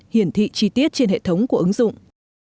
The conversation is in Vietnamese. hiển thị chi tiết trên hệ thống của ứng dụng